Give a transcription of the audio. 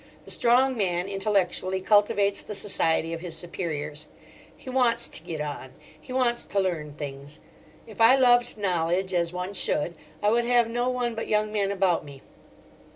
The strong man, intellectually, cultivates the society of his superiors. He wants to get on, he wants to learn things. If I loved knowledge as one should, I would have no one but young men about me.